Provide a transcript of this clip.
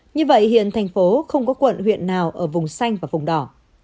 như vậy hiện thành phố không có quận huyện nào ở vùng xanh và vùng đỏ